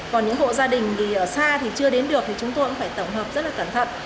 còn những hộ gia đình thì ở xa thì chưa đến được thì chúng tôi cũng phải tổng hợp rất là cẩn thận